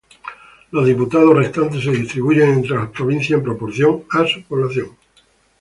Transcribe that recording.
Los diputados restantes se distribuyen entre las provincias en proporción a su población.